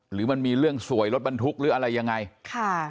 หรือมันมีเรื่องสวยรถบรรทุกหรืออะไรยังไงค่ะ